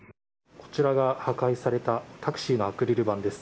こちらが破壊されたタクシーのアクリル板です。